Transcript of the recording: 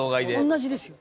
同じですよ。